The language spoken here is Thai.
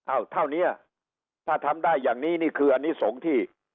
อ้าวแถวเนี่ยถ้าทำได้อย่างนี้นี่คืออันนี้ส่งที่